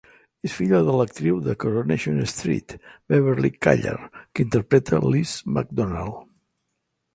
És filla de l'actriu de "Coronation Street", Beverley Callard, que interpreta Liz McDonald.